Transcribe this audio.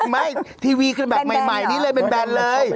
ไม่ทีวีคือแบบใหม่นี่เลยแบนเลย